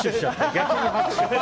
逆に拍手。